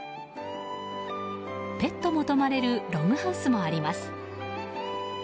ペットも泊まれるログハウスもあります。